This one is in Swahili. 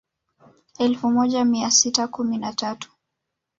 Elfu moja mia sita kumi na tatu